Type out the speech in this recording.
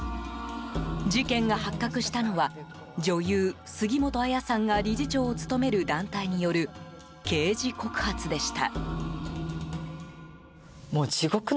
事件が発覚したのは女優・杉本彩さんが理事長を務める団体による刑事告発でした。